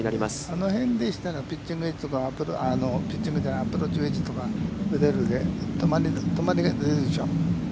あの辺でしたら、ピッチングウェッジとか、ピッチングじゃない、アプローチウェッジとかで、止まりが出るでしょう。